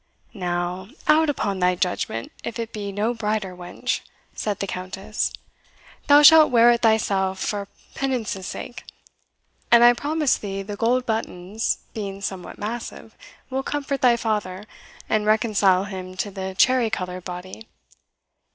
"Now, out upon thy judgment, if it be no brighter, wench," said the Countess. "Thou shalt wear it thyself for penance' sake; and I promise thee the gold buttons, being somewhat massive, will comfort thy father, and reconcile him to the cherry coloured body.